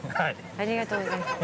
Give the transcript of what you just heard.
ありがとうございます。